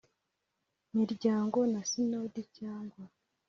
Miryango na sinodi cyangwa